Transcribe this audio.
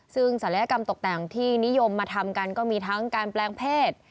ซึ่งศัลยกรรมตกแต่งที่นิยมมาทำกันก็มีทั้งการแปลงเพศ